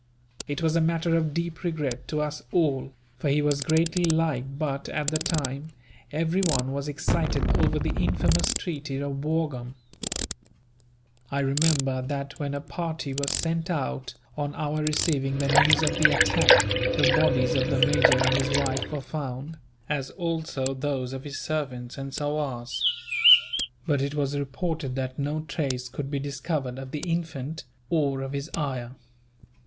It was a matter of deep regret to us all, for he was greatly liked but, at the time, everyone was excited over the infamous treaty of Wurgaum. I remember that when a party was sent out, on our receiving the news of the attack, the bodies of the major and his wife were found, as also those of his servants and sowars; but it was reported that no trace could be discovered of the infant, or of his ayah.